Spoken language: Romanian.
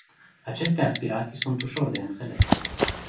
Aceste aspirații sunt ușor de înțeles.